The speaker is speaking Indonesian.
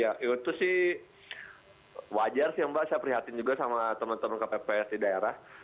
ya itu sih wajar sih mbak saya prihatin juga sama teman teman kpps di daerah